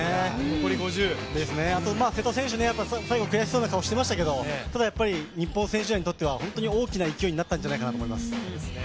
残り５０ｍ、瀬戸選手、最後、悔しそうな顔をしていましたけど、ただ、日本選手団にとっては、本当に大きな勢いになったんじゃないかなと思います。